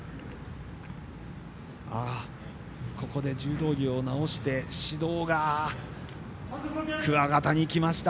ここで柔道着を直して指導が桑形にきました。